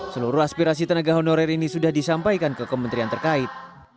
seluruh aspirasi tenaga honorer ini sudah disampaikan ke kementerian terkait